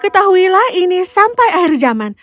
ketahuilah ini sampai akhir zaman